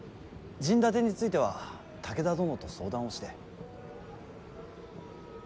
陣立てについては武田殿と相談をして。